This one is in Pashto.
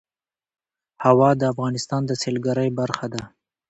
هوا د افغانستان د سیلګرۍ برخه ده.